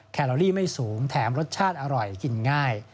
แคลอรี่ไม่สูงแถมรสชาติอร่อยกินง่าย